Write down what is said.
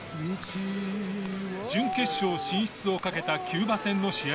準決勝進出を懸けたキューバ戦の試合